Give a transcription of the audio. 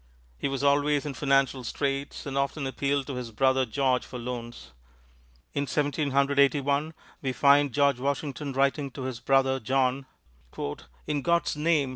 He was always in financial straits and often appealed to his brother George for loans. In Seventeen Hundred Eighty one we find George Washington writing to his brother John, "In God's name!